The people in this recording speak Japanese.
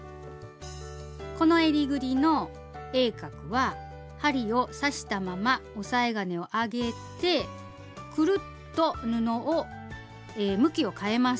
このえりぐりの鋭角は針を刺したまま押さえ金を上げてくるっと布を向きをかえます。